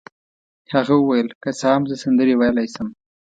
هغه وویل: که څه هم زه سندرې ویلای شم.